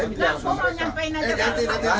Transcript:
saya tidak mau